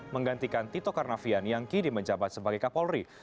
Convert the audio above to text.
menggantikan tito karnavian yang kini menjabat sebagai kapolri